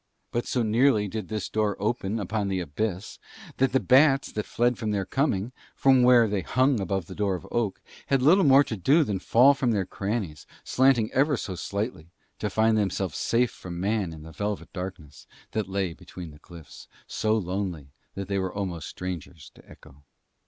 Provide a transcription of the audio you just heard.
But so nearly did this door open upon the abyss that the bats that fled from their coming, from where they hung above the door of oak, had little more to do than fall from their crannies, slanting ever so slightly, to find themselves safe from man in the velvet darkness, that lay between cliffs so lonely they were almost strangers to Echo.